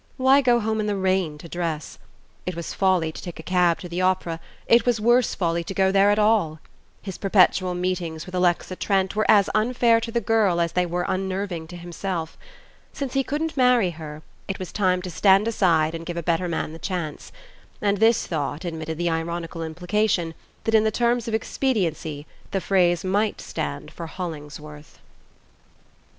Why go home in the rain to dress? It was folly to take a cab to the opera, it was worse folly to go there at all. His perpetual meetings with Alexa Trent were as unfair to the girl as they were unnerving to himself. Since he couldn't marry her, it was time to stand aside and give a better man the chance and his thought admitted the ironical implication that in the terms of expediency the phrase might stand for Hollingsworth.